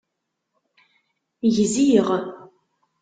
Gziɣ!